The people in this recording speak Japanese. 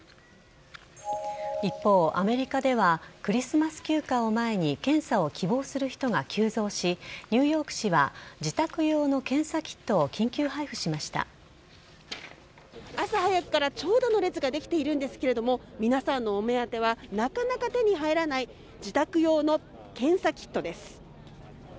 一方、アメリカではクリスマス休暇を前に検査を希望する人が急増しニューヨーク市は自宅用の検査キットを朝早くから長蛇の列ができているんですが皆さんのお目当てはなかなか手に入らない自宅用の検査キットです。